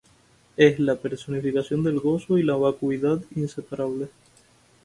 Es la personificación del gozo y la vacuidad inseparables.